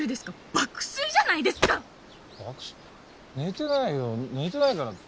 爆睡寝てないよ寝てないから。